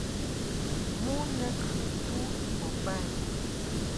Mon lɛ kɨ tu mbo ba i.